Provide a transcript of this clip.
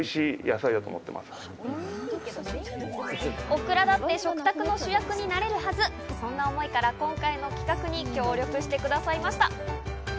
オクラだって食卓の主役になれるはず、そんな思いから今回の企画に協力してくださいました。